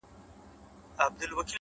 انسان د خپلو افکارو هنداره ده’